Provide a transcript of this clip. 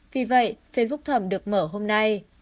vì vậy phiên phúc thẩm được mở hôm nay